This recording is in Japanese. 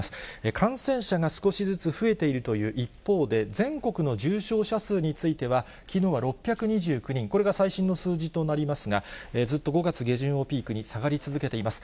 感染者が少しずつ増えているという一方で、全国の重症者数については、きのうは６２９人、これが最新の数字となりますが、ずっと５月下旬をピークに下がり続けています。